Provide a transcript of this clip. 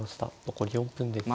残り４分です。